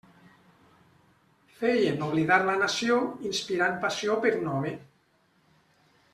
Feien oblidar la nació inspirant passió per un home.